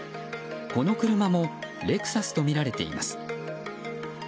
この車もレクサスとみられています。